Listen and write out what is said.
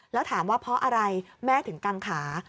แล้วถามว่าเพราะอะไรแม่ถึงกังขา